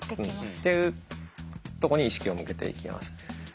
っていうとこに意識を向けていきます。